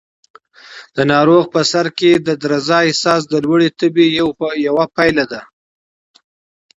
د ناروغ په سر کې د درزا احساس د لوړې تبې یوه پایله ده.